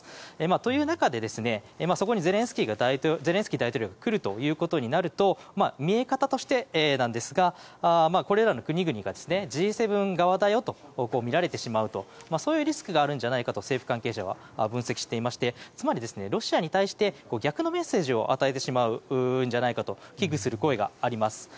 という中で、そこにゼレンスキー大統領が来るということになると見え方としてですがこれらの国々がＧ７側と見られてしまうとそういうリスクがあるんじゃないかと政府関係者は分析していましてつまり、ロシアに対して逆のメッセージを与えてしまうと危惧する声があります。